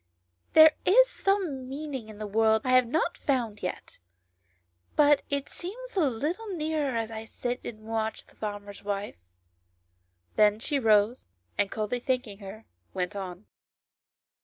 " There is some meaning in the world I have not found yet, but it seems a little nearer as I sit and watch the farmer's wife." Then she rose, and, coldly thanking her, went on.